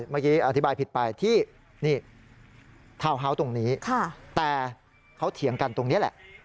เมื่อกี้อธิบายผิดไปที่นี่